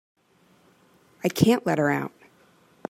I can't let her out.